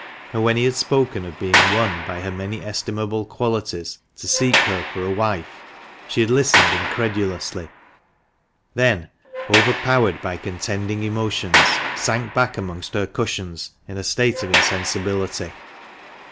And when he had spoken of being won by her many estimable qualities to seek her for a wife, she had listened incredulously ; then, overpowered by contending emotions, sank back amongst her cushions in a state of insensibility.